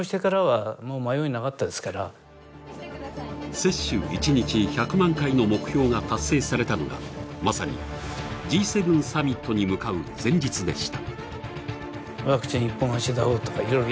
接種１日１００万回の目標が達成されたのは、まさにＧ７サミットに向かう前日でした。